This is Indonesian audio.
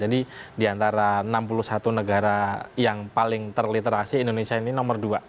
jadi di antara enam puluh satu negara yang paling terliterasi indonesia ini nomor dua